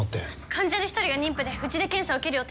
患者の一人が妊婦でうちで検査を受ける予定だったみたいです。